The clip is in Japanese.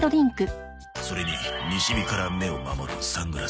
それに西日から目を守るサングラス。